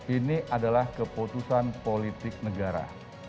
ini adalah keputusan politik negara